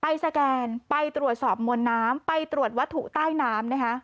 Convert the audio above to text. สแกนไปตรวจสอบมวลน้ำไปตรวจวัตถุใต้น้ำนะคะ